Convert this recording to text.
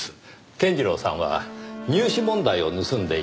健次郎さんは入試問題を盗んでいました。